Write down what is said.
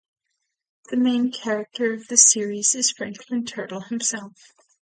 The main character of the series is Franklin Turtle himself.